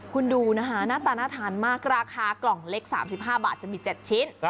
คุณดูนะคะหน้าตาน่าทานมากราคากล่องเล็ก๓๕บาทจะมี๗ชิ้น